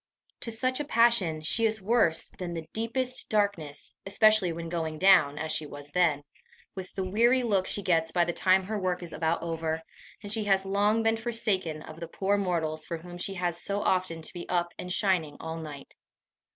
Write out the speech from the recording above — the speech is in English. To such a passion, she is worse than the deepest darkness, especially when going down, as she was then, with the weary look she gets by the time her work is about over, and she has long been forsaken of the poor mortals for whom she has so often to be up and shining all night.